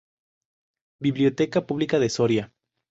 Biblioteca Pública de Soria.